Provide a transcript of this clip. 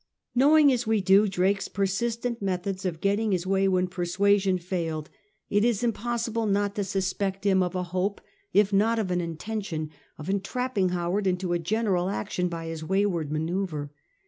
Knowing as we do Drake's persistent methods of getting his way when persuasion failed, it is impossible not to suspect XI SIDONIA CHANGES HIS FORMATION 155 him of a hope, if not of an intention, of entrapping Howard into a general action by his way wai'd manoeuvre.